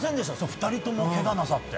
２人ともけがなさって。